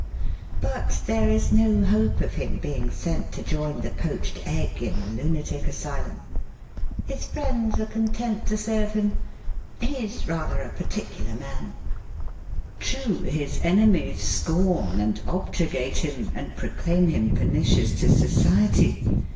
But there is no hope of him being sent to join the poached egg in the lunatic asylum. His friends are content to say of him: "He's rather a particular man." True, his enemies scorn and objurgate him, and proclaim him pernicious to society.